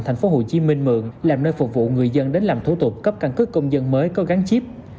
tp hcm mượn làm nơi phục vụ người dân đến làm thủ tục cấp căn cứ công dân mới có gắn chip